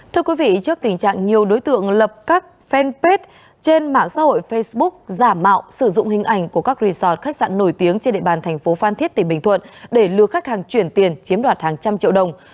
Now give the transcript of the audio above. thưa quý vị trước tình trạng nhiều đối tượng lập các fanpage trên mạng xã hội facebook giả mạo sử dụng hình ảnh của các resort khách sạn nổi tiếng trên địa bàn thành phố phan thiết tỉnh bình thuận để lừa khách hàng chuyển tiền chiếm đoạt hàng trăm triệu đồng